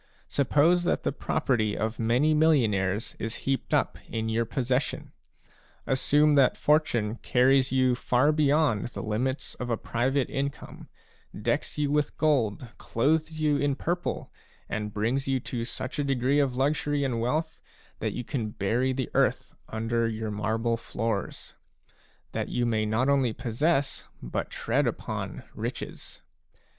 Suppose that the property of many millionaires is heaped up in your possession. Assume that fortune carries you far beyond the limits of a private income, decks you with gold, clothes you in purple, and brings you to such a degree of luxury and wealth that you can bury the earth under your marble floors ; that you may not only possess, but tread upon, riches.